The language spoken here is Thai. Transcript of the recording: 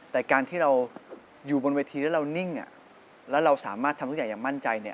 แต่การที่เราอยู่บนเวทีแล้วเรานิ่งแล้วเราสามารถทำทุกอย่างอย่างมั่นใจเนี่ย